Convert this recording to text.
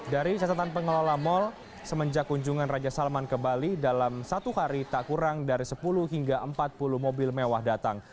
dari catatan pengelola mal semenjak kunjungan raja salman ke bali dalam satu hari tak kurang dari sepuluh hingga empat puluh mobil mewah datang